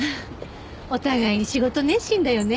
お互い仕事熱心だよね。